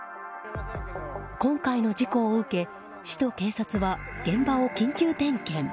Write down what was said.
今回の事故を受け市と警察は現場を緊急点検。